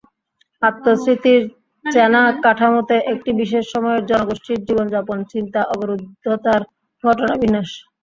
আত্মস্মৃতির চেনা কাঠামোতে একটি বিশেষ সময়ের জনগোষ্ঠীর জীবনযাপন, চিন্তা, অবরুদ্ধতার ঘটনাবিন্যাস।